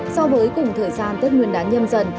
so với cùng thời gian tết nguyên đán nhâm dần